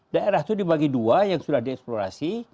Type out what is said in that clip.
daerah itu dibagi dua yang sudah dieksplorasi